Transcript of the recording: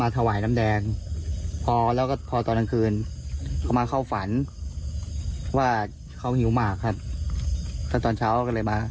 ไปดูกันหน่อยไปลองฟังกันหน่อยมั้ย